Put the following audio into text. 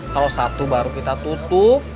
kalau satu baru kita tutup